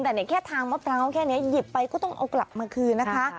แต่แค่ทางมะพร้าวแค่นี้หยิบไปก็ต้องเอากลับมาคืนนะคะ